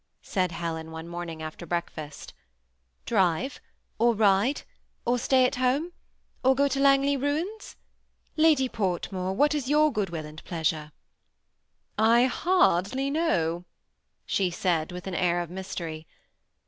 " said Helen one momiDg after breakfast, —" drive ? or ride ? or stay at home? or go to Langley ruins? Lady Portmore, what is your good will and pleasure?'' " I hardly know," she said, with an air of mystery.